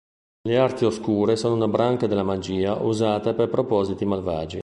Le Arti Oscure sono una branca della magia usata per propositi malvagi.